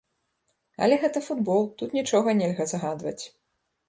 Але гэта футбол, тут нічога нельга загадваць.